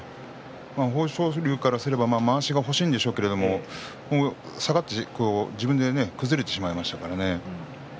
豊昇龍からすればまわしが欲しいんでしょうけれど自分でね、下がって崩れてしまいましたからね。